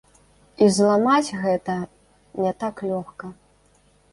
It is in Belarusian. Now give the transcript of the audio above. І зламаць гэта не так лёгка.